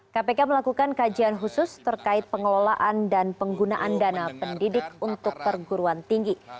kpk melakukan kajian khusus terkait pengelolaan dan penggunaan dana pendidik untuk perguruan tinggi